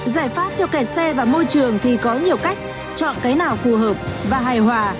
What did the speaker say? giải pháp cho kẹt xe và môi trường thì có nhiều cách chọn cái nào phù hợp và hài hòa